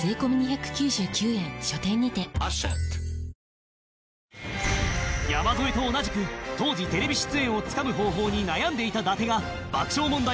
ニトリ山添と同じく当時テレビ出演をつかむ方法に悩んでいた伊達が爆笑問題